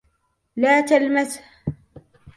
لا تلمسه.